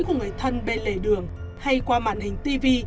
của người thân bên lề đường hay qua màn hình tv